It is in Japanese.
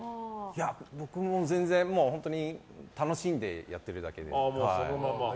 僕も全然楽しんでやっているだけで。